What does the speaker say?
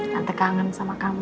tante kangen sama kamu